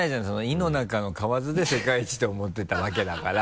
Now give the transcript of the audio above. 井の中の蛙で世界一と思ってたわけだから。